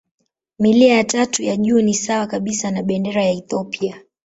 Milia ya tatu ya juu ni sawa kabisa na bendera ya Ethiopia.